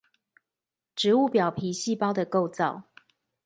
植物表皮細胞的構造